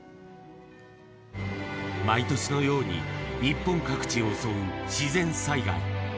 毎年のように日本各地を襲う自然災害。